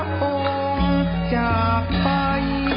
ทรงเป็นน้ำของเรา